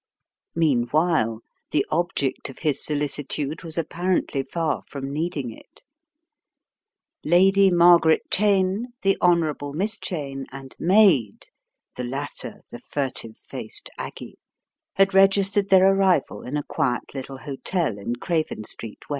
Meanwhile, the object of his solicitude was ap parently far from needing it. "Lady Margaret Cheyne, the Honourable Miss Cheyne and maid," the latter, the furtive faced "Aggie," had registered their arrival in a quiet little hotel in Craven Street, W.